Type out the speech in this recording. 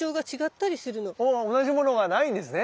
ほぼ同じものがないんですね。